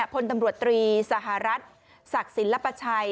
พลตำรวจตรีสหรัฐศักดิ์ศิลปชัย